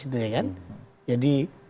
itu ya kan jadi